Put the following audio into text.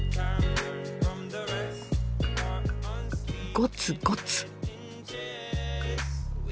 ゴツゴツ。